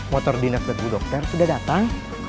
motor dinar dari bu dokter sudah datang